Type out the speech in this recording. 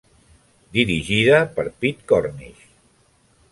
Dirigida per Pete Cornish.